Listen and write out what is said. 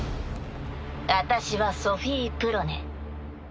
私はソフィ・プロネ。